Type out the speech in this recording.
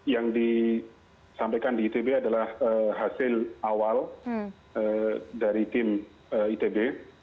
yang disampaikan di itb adalah hasil awal dari tim itb